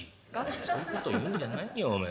「そういうこと言うんじゃないよおめえ。